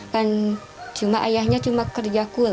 kan cuma ayahnya cuma kerja cool